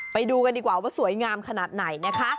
ไปดูกันดีกว่าว่าสวยงามขนาดไหนนะคะ